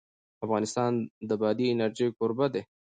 افغانستان د بادي انرژي کوربه دی.